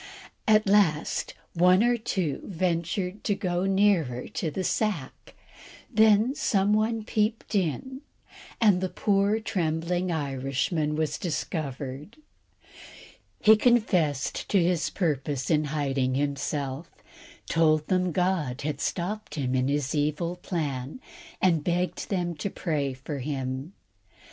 At last one or two ventured to go nearer to the sack, then some one peeped in, and the poor trembling Irishman was discovered. He confessed to his purpose in hiding himself, told them God had stopped him in his evil plan, and begged them to pray for him.